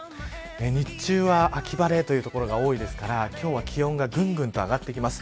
日中は秋晴れという所が多いですから今日は気温がぐんぐんと上がってきます。